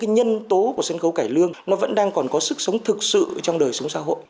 nhân tố của sân khấu cải lương vẫn đang còn có sức sống thực sự trong đời sống xã hội